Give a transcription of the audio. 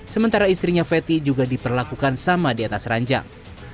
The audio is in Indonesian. sementara istrinya fetty juga diperlakukan sama di atas ranjang